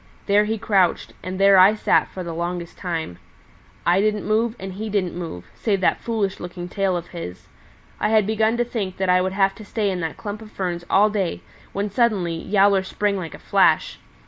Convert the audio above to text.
There he crouched, and there I sat for the longest time. I didn't move, and he didn't move, save that foolish looking tail of his. I had begun to think that I would have to stay in that clump of ferns all day when suddenly Yowler sprang like a flash.